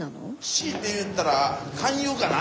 強いて言ったら勧誘かな。